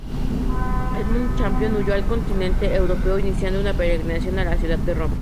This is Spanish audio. Edmund Campion huyó al continente europeo, iniciando una peregrinación a la ciudad de Roma.